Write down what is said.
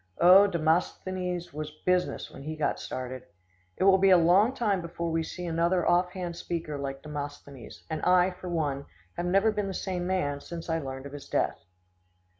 Oh, Demosthenes was business when he got started. It will be a long time before we see another off hand speaker like Demosthenes, and I, for one, have never been the same man since I learned of his death.